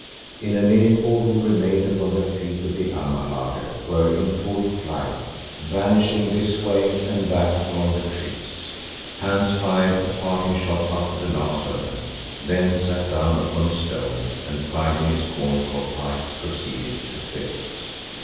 In a minute all who remained upon their feet of the Amahagger were in full flight, vanishing this way and that among the trees. Hans fired a parting shot after the last of them, then sat down upon a stone and finding his corn cob pipe, proceeded to fill it.